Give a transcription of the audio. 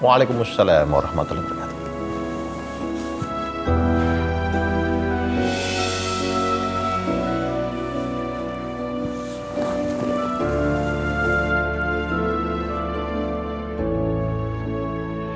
waalaikumsalam warahmatullahi wabarakatuh